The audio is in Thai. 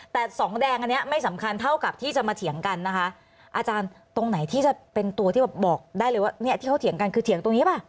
แต่สองแดงอันนี้ไม่สำคัญเท่ากับที่จะมาเถียงกันนะคะอาจารย์ตรงไหนที่จะเป็นตัวที่แบบบอกได้เลยว่าเนี่ยที่เขาเถียงกันคือเถียงตรงนี้ป่ะ